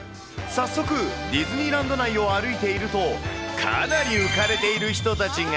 早速、ディズニーランド内を歩いていると、かなり浮かれている人たちが。